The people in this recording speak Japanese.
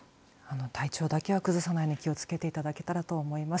体調だけは崩さないように気を付けていただけたらと思います。